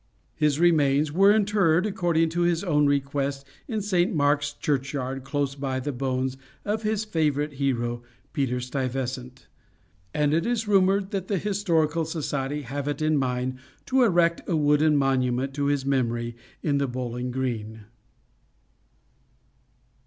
His remains were interred, according to his own request, in St. Mark's Churchyard, close by the bones of his favorite hero, Peter Stuyvesant; and it is rumored that the Historical Society have it in mind to erect a wooden monument to his memory in the Bowling Green.